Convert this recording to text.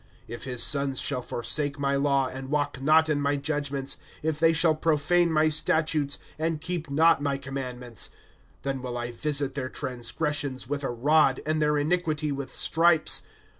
^* If his sons shall forsake my law, And walk not in my judgments ;^^ If they shall profane my statutes, And keep not my commandments ;^^ Then will I visit their transgressions with a rod, And their iniquity with stripes.